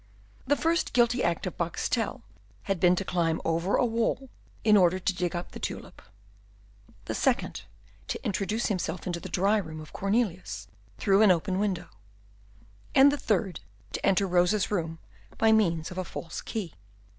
The first guilty act of Boxtel had been to climb over a wall in order to dig up the tulip; the second, to introduce himself into the dry room of Cornelius, through an open window; and the third, to enter Rosa's room by means of a false key.